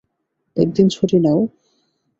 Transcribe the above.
একদিন ছুটি নাও।